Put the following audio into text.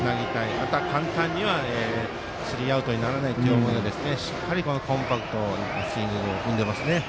また、簡単にはスリーアウトにならないようにとしっかり、コンパクトなスイングを生んでいます。